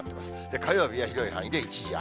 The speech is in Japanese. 火曜日は広い範囲で一時雨。